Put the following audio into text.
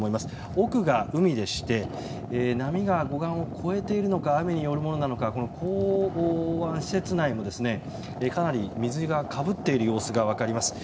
奥が海でして波が護岸を越えているのか雨によるものなのか港湾施設内もかなり水がかぶっている様子が分かります。